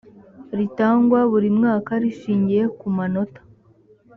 ritangwa buri mwaka rishingiye ku manota